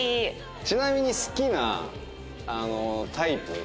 ちなみに好きなタイプ。